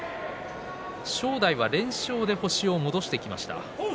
正代は連勝で星を伸ばしてきました。